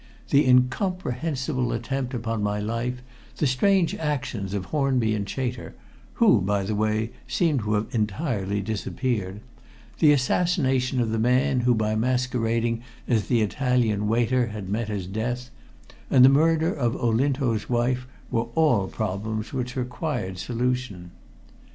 The incomprehensible attempt upon my life, the strange actions of Hornby and Chater who, by the way, seemed to have entirely disappeared the assassination of the man who by masquerading as the Italian waiter had met his death, and the murder of Olinto's wife were all problems which required solution.